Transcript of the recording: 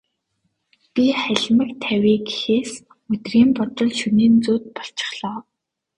Би халимаг тавья гэхээс өдрийн бодол, шөнийн зүүд болчихлоо.